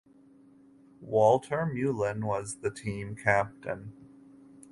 Walter Mullen was the team captain.